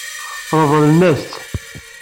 Ṛeḍlen-as-t.